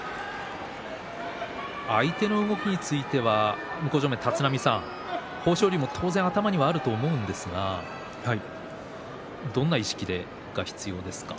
相手の動きについては向正面の立浪さん豊昇龍も当然頭にあると思うんですがどんな意識が必要ですか？